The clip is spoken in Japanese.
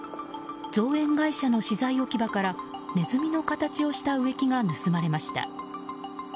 造園会社の資材置き場からネズミの形をした植木が盗まれました。